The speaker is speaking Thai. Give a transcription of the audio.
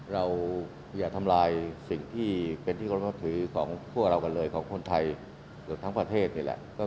เราอย่าทำลายสิ่งที่เป็นที่เคารพนับถือของพวกเรากันเลยของคนไทยเกือบทั้งประเทศนี่แหละ